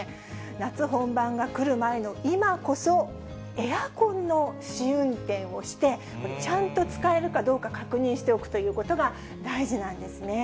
夏本番が来る前の今こそ、エアコンの試運転をして、ちゃんと使えるかどうか確認しておくということが大事なんですね。